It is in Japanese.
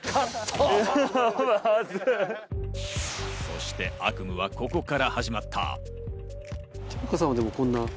そして悪夢は、ここから始まった！